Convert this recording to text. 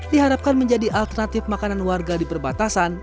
diharapkan menjadi alternatif makanan warga di perbatasan